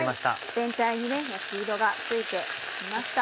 全体に焼き色がついて来ました。